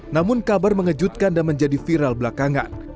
namun kabar mengejutkan dan menjadi viral belakangan